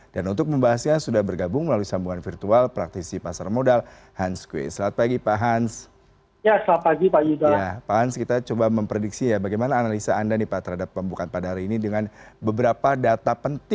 dan untuk membahasnya sudah bergabung melalui sambungan virtual praktisi pasar modal hans kueh selamat pagi pak hans